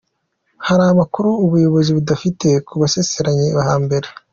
Hari amakuru ubuyobozi budafite ku basezeranye hambere.